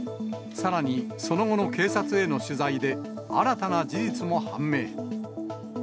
さらに、その後の警察への取材で、新たな事実も判明。